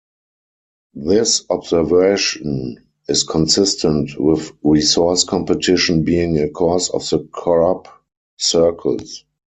This observation is consistent with resource competition being a cause of the crop circles.